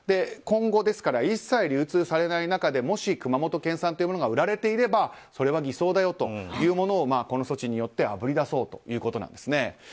今後、一切流通されない中でもし熊本県産というものが売られてれいばそれは偽装だよというものをこの措置によってあぶりだそうというものです。